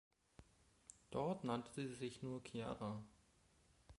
Dort nannte sie sich nur Chiara.